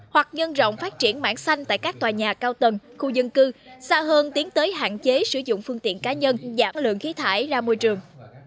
hoặc nhân rộng phát triển mảng xanh tại các tòa nhà cao tầng khu dân cư xa hơn tiến tới hạn chế sử dụng phương tiện cá nhân giảm lượng khí thải ra môi trường